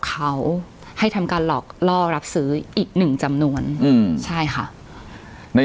เขาให้ทำการหลอกล่อรับซื้ออีกหนึ่งจำนวนอืมใช่ค่ะใน